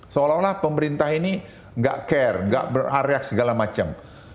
seolah olah pemerintah ini nggak care nggak beraryak segala macam